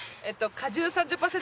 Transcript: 『果汁３０％